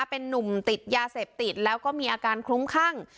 เป็นนุ่มติดยาเสพติดแล้วก็มีอาการคลุ้มคั่ง